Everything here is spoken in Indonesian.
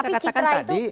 saya katakan tadi